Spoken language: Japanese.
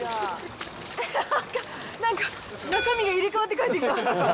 なんか、なんか中身が入れ替わって帰ってきた。